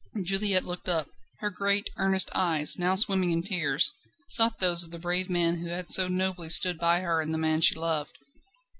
Juliette looked up. Her great, earnest eyes, now swimming in tears, sought those of the brave man who had so nobly stood by her and the man she loved.